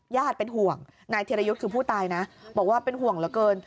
เป็นห่วงนายธิรยุทธ์คือผู้ตายนะบอกว่าเป็นห่วงเหลือเกิน